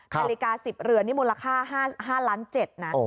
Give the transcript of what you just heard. แต่ลิกา๑๐เหรือนนี่มูลค่า๕ล้าน๗นะ